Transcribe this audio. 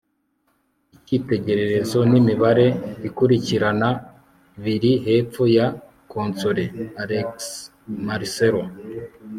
icyitegererezo nimibare ikurikirana biri hepfo ya konsole. (alexmarcelo